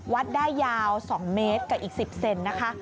วัดได้ยาว๒เมตรกับอีก๑๐เซนนะคะ